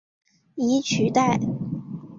以取代。